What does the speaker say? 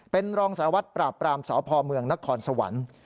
เป็นรองสารวัตรปราบปรามสพเมืองนครสวรรค์